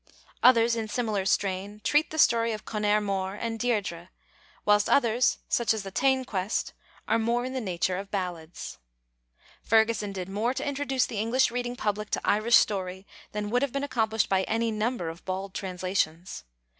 Others in similar strain treat the story of Conaire Mór and Deirdre, whilst others such as the Tain Quest are more in the nature of ballads. Ferguson did more to introduce the English reading public to Irish story than would have been accomplished by any number of bald translations.